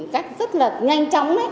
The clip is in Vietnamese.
cách rất là nhanh chóng